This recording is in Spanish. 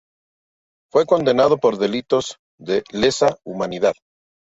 Fue condenado por delitos de lesa humanidad.